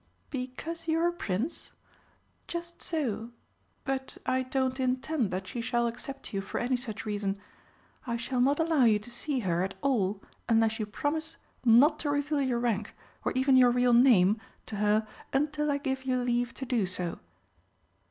"Because you are a Prince? Just so but I don't intend that she shall accept you for any such reason. I shall not allow you to see her at all unless you promise not to reveal your rank, or even your real name, to her until I give you leave to do so."